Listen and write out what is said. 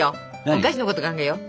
お菓子のこと考えよう。